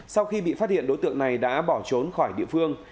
sau khi bị phát hiện đối tượng này đã bỏ trốn khỏi địa phương